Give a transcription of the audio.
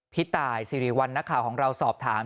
พี่ตายสิริวัลนักข่าวของเราสอบถาม